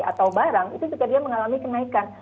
atau barang itu juga dia mengalami kenaikan